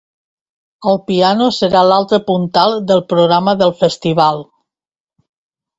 El piano serà l’altre puntal del programa del festival.